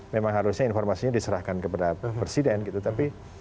memang harusnya informasinya diserahkan kepada presiden gitu tapi